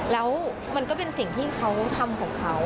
แล้วมันก็เป็นสิ่งที่เขาทำของเขา